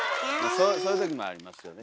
そういうときもありますよね。